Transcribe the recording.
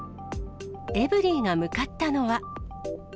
エブリィが向かったのは。